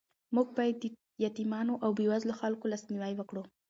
موږ باید د یتیمانو او بېوزلو خلکو لاسنیوی وکړو.